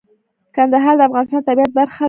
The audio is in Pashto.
کندهار د افغانستان د طبیعت برخه ده.